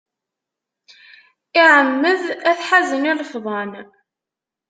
Iɛemmed ad teḥazen ilefḍan.